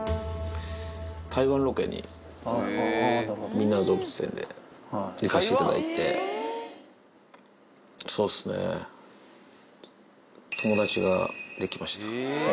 台湾ロケにみんなの動物園で行かしていただいて、そうっすね、友達が出来ました。